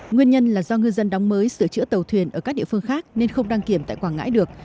nguyên nhân là do ngư dân đóng mới sửa chữa tàu thuyền ở các địa phương khác nên không đăng kiểm tại quảng ngãi được